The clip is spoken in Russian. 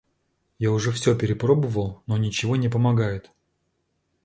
Я уже всё перепробовал, но ничего не помогает.